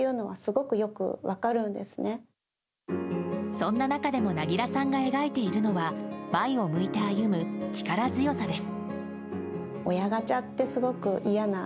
そんな中でも凪良さんが描いているのは前を向いて歩む力強さです。